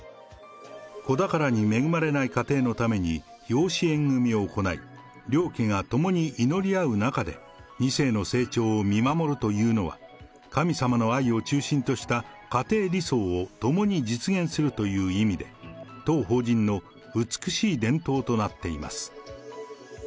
子宝に恵まれない家庭のために養子縁組を行い、両家が共に祈り合う中で、２世の成長を見守るというのは、神様の愛を中心とした家庭理想を共に実現するという意味で、当法人の美しい伝統となっています。